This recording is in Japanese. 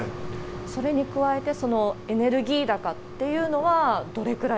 それに加えて、エネルギー高っていうのはどれくらい？